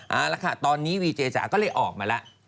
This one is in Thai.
เอาละค่ะตอนนี้วีเจจ๋าก็เลยออกมาแล้ว